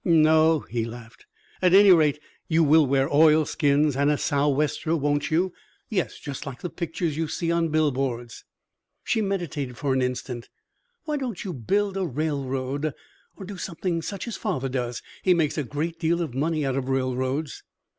"No," he laughed. "At any rate, you will wear oilskins and a 'sou'wester,' won't you?" "Yes, just like the pictures you see on bill boards." She meditated for an instant. "Why don't you build a railroad or do something such as father does? He makes a great deal of money out of railroads."